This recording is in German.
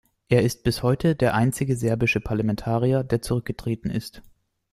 Er ist bis heute der einzige serbische Parlamentarier, der zurückgetreten ist.